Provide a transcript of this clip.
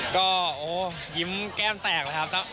ก็โอ้ยิ้มแก้มแตกเลยครับ